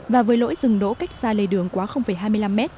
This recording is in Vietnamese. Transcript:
và với lỗi dừng đỗ cách xa lây đường quá hai mươi năm m